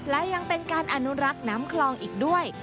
และยังเป็นการอนุรักษ์น้ำคลองอีกด้วย